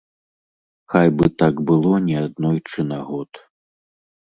Хай бы так было не аднойчы на год.